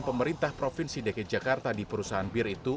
pemerintah provinsi dki jakarta di perusahaan bir itu